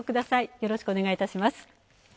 よろしくお願いします。